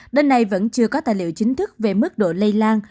đến nay vẫn chưa có tài liệu chính thức về mức độ lây lan